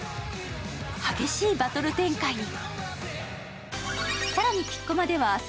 激しいバトル展開に。